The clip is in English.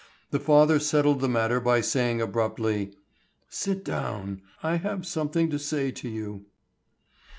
The father settled the matter by saying abruptly: "Sit down, I have something to say to you."